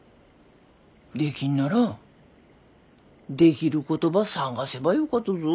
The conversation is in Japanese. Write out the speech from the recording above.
できんならできることば探せばよかとぞ。